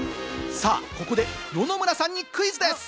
ここで野々村さんにクイズです。